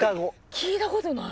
聞いたことない。